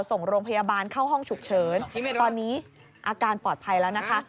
ส่งโรงพยาบาลเข้าห้องฉุกเฉินตอนนี้อาการปลอดภัยแล้วนะคะ